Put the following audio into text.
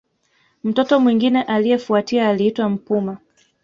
Mtoto mwingine aliyefuatia aliitwa Mpuma